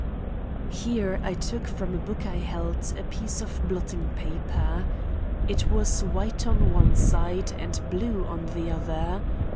Here I took from a book I held, a piece of blotting paper. It was white on one side and blue on the other.